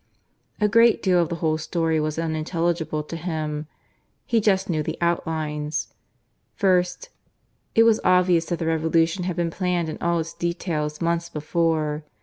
A great deal of the whole story was unintelligible to him. He just knew the outlines. First, it was obvious that the revolution had been planned in all its details months before.